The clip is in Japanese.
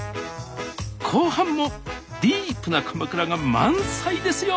後半もディープな鎌倉が満載ですよ！